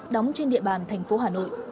đóng trên địa bàn thành phố hà nội